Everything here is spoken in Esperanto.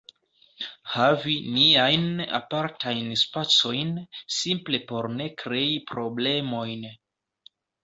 havi niajn apartajn spacojn simple por ne krei problemojn.